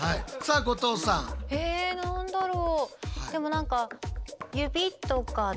え何だろう？